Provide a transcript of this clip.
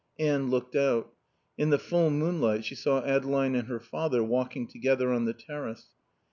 Anne looked out. In the full moonlight she saw Adeline and her father walking together on the terrace.